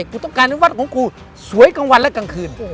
ผมต้องการที่วัดของยุคสวยกลางวันกลางคืน